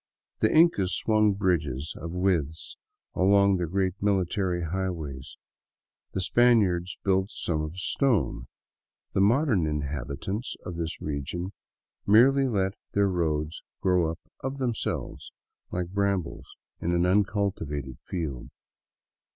The Incas swung bridges of withes along their great military highways, the Spaniards built some of stone ; the modern inhabitants of this region merely let their roads grow up of themselves, like brambles in an uncultivated field.